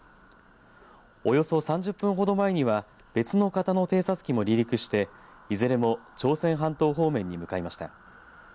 およそ３０分ほど前には別の型の偵察機も離陸していずれも朝鮮半島方面に向かいました。